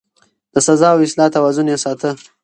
د سزا او اصلاح توازن يې ساته.